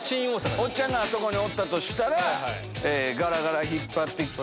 おっちゃんがあそこにおったとしたら、がらがら引っ張って。